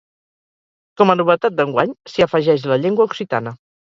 Com a novetat d'enguany s'hi afegeix la llengua occitana.